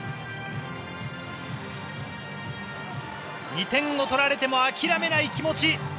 ２点を取られても諦めない気持ち。